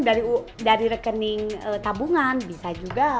dari atm dari rekening tabungan bisa juga